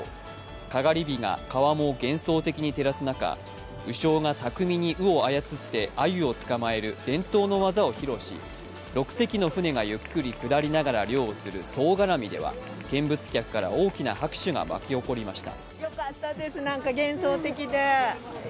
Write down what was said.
かがり火が川面を幻想的に照らす中、鵜匠が巧みにに鵜を操ってあゆを捕まえる伝統の技を披露し、６隻の船がゆっくり下りながら量をする総がらみでは見物客から大きな拍手が沸き起こりました。